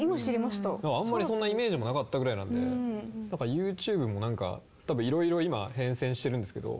あんまりそんなイメージもなかったぐらいなんでＹｏｕＴｕｂｅもなんか多分いろいろ今変遷してるんですけど。